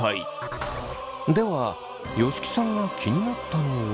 では吉木さんが気になったのは？